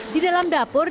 di dalam dapur